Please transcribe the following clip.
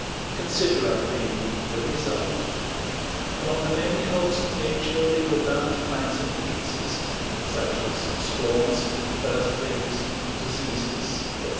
Consider, I pray you, the result: among the many helps of nature they were bound to find some hindrances, such as storms, earthquakes, diseases, &c.